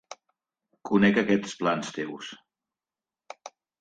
Conec aquests plans teus.